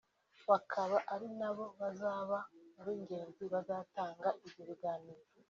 bakaba ari na bo bazaba mu b’ingenzi bazatanga ibyo biganiro